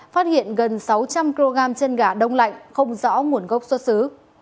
phát hiện gần sáu trăm linh kg chân gà đông lạnh không rõ nguồn gốc xuất xứ